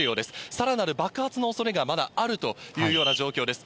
さらなる爆発のおそれがまだあるというような状況です。